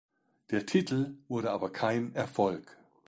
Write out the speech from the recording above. Der Titel wurde aber kein Erfolg.